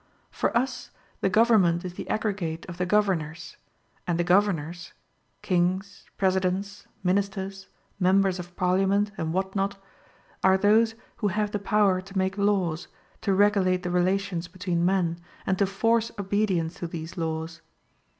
For us, the government is the aggregate of the governors; and the governors kings, presidents, ministers, members of parliament, and what not are those who have the power to make laws, to regulate the relations between men, and to force obedience to these laws.